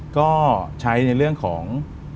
ก็ใช้ในเรื่องของ